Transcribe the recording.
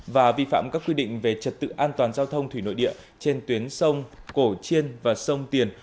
và vi phạm các quy định về trật tự an toàn giao thông thủy nội địa trên tuyến sông cổ chiên và sông tiền